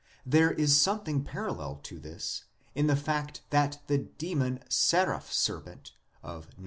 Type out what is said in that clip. There is something parallel to this in the fact that the demon saraph serpent of Num.